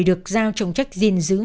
được giao trọng trách gìn giữ